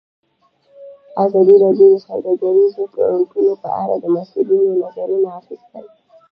ازادي راډیو د سوداګریز تړونونه په اړه د مسؤلینو نظرونه اخیستي.